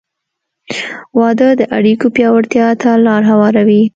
• واده د اړیکو پیاوړتیا ته لار هواروي.